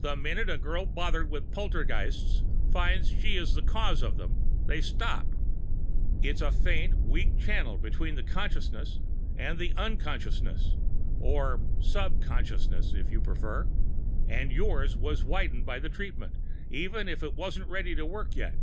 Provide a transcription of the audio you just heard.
The minute a girl bothered with poltergeists finds she is the cause of them, they stop. It's a faint, weak channel between consciousness and unconsciousness or subconsciousness, if you prefer. And yours was widened by the treatment, even if it wasn't ready to work yet.